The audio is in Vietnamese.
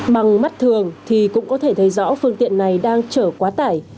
bằng mắt thường thì cũng có thể thấy rõ phương tiện này đang chở quá tải